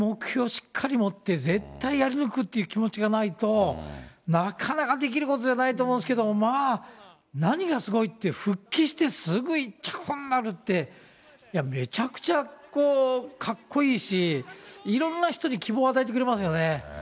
しっかり持って絶対やり抜くって気持ちがないと、なかなかできることじゃないと思うんですけど、まあ、何がすごいって、復帰してすぐ１着になるって、めちゃくちゃかっこいいし、いろんな人に希望与えてくれますよね。